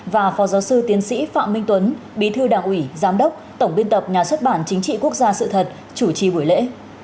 và phó giáo sư tiến sĩ phạm minh tuấn bí thư đảng ủy giám đốc tổng biên tập nhà xuất bản chính trị quốc gia sự thật chủ trì buổi lễ